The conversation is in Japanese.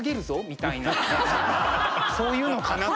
そういうのかなと。